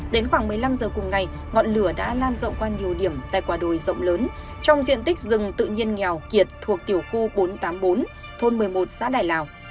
đến khoảng một mươi năm giờ cùng ngày ngọn lửa đã lan rộng qua nhiều điểm tại quả đồi rộng lớn trong diện tích rừng tự nhiên nghèo kiệt thuộc tiểu khu bốn trăm tám mươi bốn thôn một mươi một xã đại lào